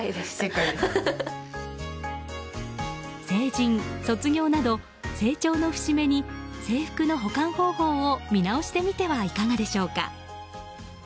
成人、卒業など成長の節目に制服の保管方法を見直してみてはいかがでしょうか。